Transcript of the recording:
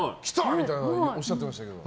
みたくおっしゃってましたけど。